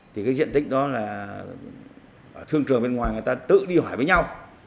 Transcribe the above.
thì cái diện tích đó là thương trường bên ngoài người ta tự đi hỏi với nhau